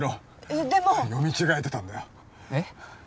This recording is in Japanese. えっでも読み違えてたんだよえっ？